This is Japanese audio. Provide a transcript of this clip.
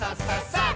さあ！